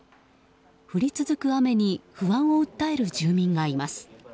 降り続く雨に不安を訴える住民がいます。